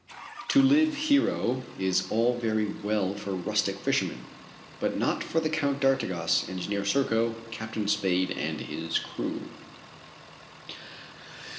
To live here is all very well for rustic fishermen, but not for the Count d'Artigas, Engineer Serko, Captain Spade and his crew.